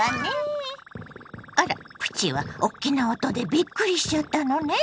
あらプチはおっきな音でびっくりしちゃったのね。